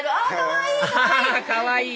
かわいい！